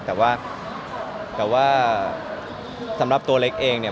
แต่ว่าแต่ว่าสำหรับตัวเล็กเองเนี่ย